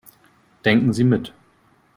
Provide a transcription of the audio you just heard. Denken Sie mit.